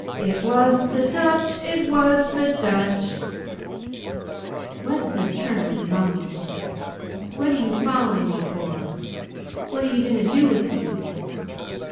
It was the Dutch. It was the Dutch " Wessner turned and mumbled: "What you following me for? What are you going to do with me?"